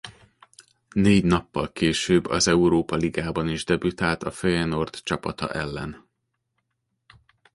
Négy nappal később az Európa-ligában is debütált a Feyenoord csapata ellen.